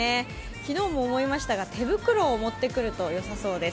昨日も思いましたが、手袋を持ってくるとよさそうです。